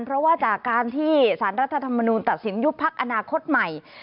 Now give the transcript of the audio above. เพราะว่าจากการที่สารรัฐธรรมนูลตัดสินยุบพักอนาคตใหม่